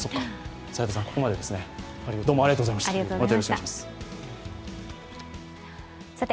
斎藤さん、どうもありがとうございました。